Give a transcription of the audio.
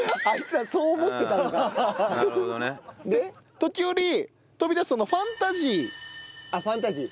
「時折飛び出すファンタジー」あっファンタジー。